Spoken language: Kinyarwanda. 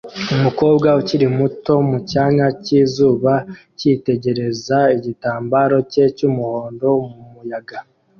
Umukobwa ukiri muto mu cyanya cyizuba yitegereza igitambaro cye cyumuhondo mumuyaga